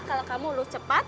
kalau kamu lulus cepat